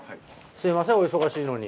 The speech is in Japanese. すいませんお忙しいのに。